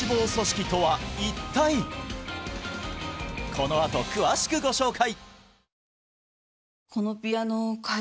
このあと詳しくご紹介！